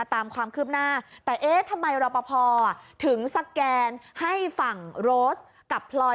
ตามความคืบหน้าแต่เอ๊ะทำไมรอปภถึงสแกนให้ฝั่งโรสกับพลอย